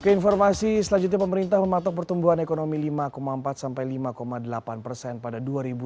keinformasi selanjutnya pemerintah mematok pertumbuhan ekonomi lima empat sampai lima delapan persen pada dua ribu dua puluh